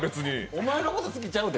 お前のこと好きちゃうで。